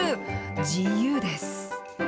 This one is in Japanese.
自由です。